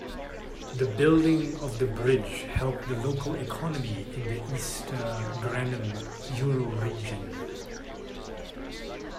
The rebuilding of the bridge helped the local economy in the Ister-Granum Euroregion.